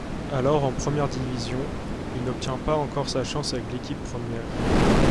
Alors en première division, il n'obtient pas encore sa chance avec l'équipe première.